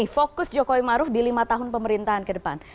fokus jokowi maruf di lima tahun pemerintahan ke depan